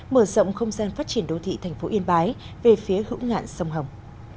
mở rộng không gian phát triển đô thị thành phố yên bái về phía hữu ngạn sông hồng